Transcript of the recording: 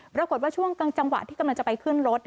ปรากฏว่าช่วงกลางจังหวะที่กำลังจะไปขึ้นรถ